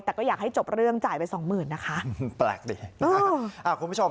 แต่ก็อยากให้จบเรื่องจ่ายไปสองหมื่นนะคะแปลกดีนะฮะอ่าคุณผู้ชม